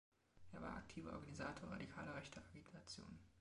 Er war aktiver Organisator radikaler rechter Agitation.